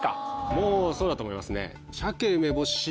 もうそうだと思いますね。